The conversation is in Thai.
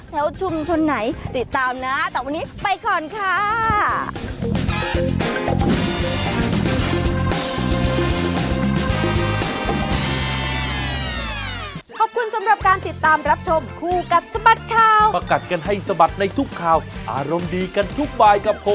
แถวชุมชนไหนติดตามนะ